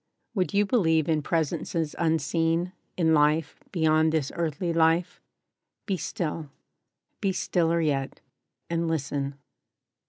WOULD you believe in Presences Unseen— In life beyond this earthly life? BE STILL: Be stiller yet; and listen.